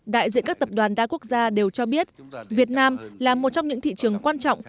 đại diện các tập đoàn đa quốc gia đều cho biết việt nam là một trong những thị trường quan trọng